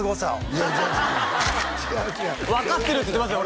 いや違う違う違う違う「分かってる」って言ってますよ